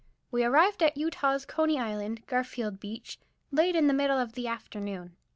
We arrived at Utah's Coney Island, Garfield Beach, late in the middle of the afternoon.